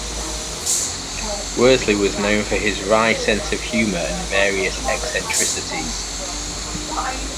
Worsley was known for his wry sense of humour and various eccentricities.